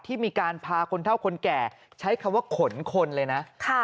ที่มีการพาคนเท่าคนแก่ใช้คำว่าขนคนเลยนะ